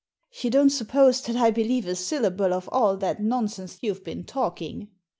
'* You don't suppose that I believe a syllable of all that nonsense you've been talking?